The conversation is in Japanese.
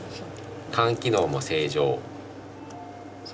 肝機能も正常。